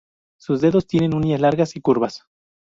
Sus dedos tienen uñas largas y curvas.